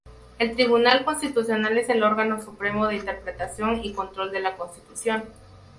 El Tribunal Constitucional es el órgano supremo de interpretación y control de la Constitución.